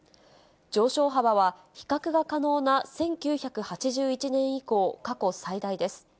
上昇幅は比較が可能な１９８１年以降、過去最大です。